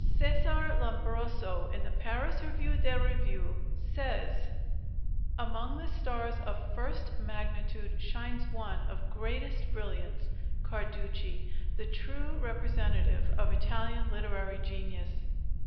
Cesar Lombroso, in the Paris Revue des Revues, says: "Among the stars of first magnitude shines one of greatest brilliance, Carducci, the true representative of Italian literary genius."